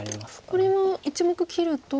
これは１目切ると。